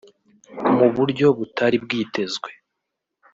Mu buryo butari bwitezwe